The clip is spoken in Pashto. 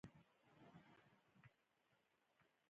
هغه ژمنه وکړه چې که هغه وغواړي سبا ورتلای شي